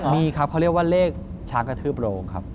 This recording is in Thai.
มีครับเขาเรียกว่าเลขช้างกระทืบโรงครับ